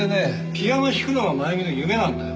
ピアノを弾くのが真由美の夢なんだよ。